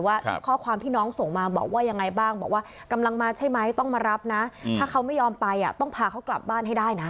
ว่าข้อความที่น้องส่งมาบอกว่ายังไงบ้างบอกว่ากำลังมาใช่ไหมต้องมารับนะถ้าเขาไม่ยอมไปอ่ะต้องพาเขากลับบ้านให้ได้นะ